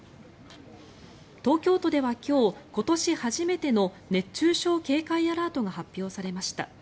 東京都では今日今年初めての熱中症警戒アラートが発表されました。